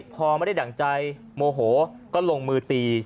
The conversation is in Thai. พอไม่ได้ดั่งใจโมโหก็ลงมือตี